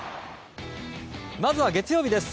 まずは月曜日です。